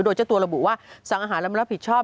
โดยเจ้าตัวระบุว่าสั่งอาหารแล้วมันรับผิดชอบ